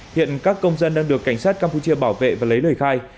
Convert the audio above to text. hiện các công dân đang được cảnh sát campuchia bảo vệ và lấy lời khai